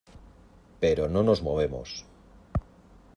pero no nos movemos.